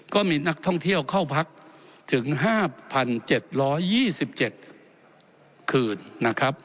ก็มีนักท่องเที่ยวเข้าพักถึง๕๗๒๗คืนนะครับ